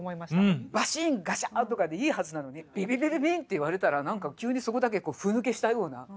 バシンガシャンとかでいいはずなのにビビビビビンって言われたら急にそこだけこうふぬけしたような。